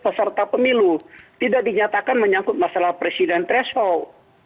peserta pemilu tidak dinyatakan menyangkut masalah presiden threshold